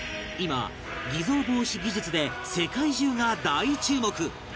今偽造防止技術で世界中が大注目